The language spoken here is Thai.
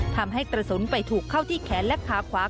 ทำให้กระสุนไปถูกเข้าที่แขนและขาขวา